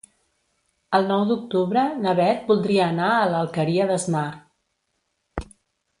El nou d'octubre na Beth voldria anar a l'Alqueria d'Asnar.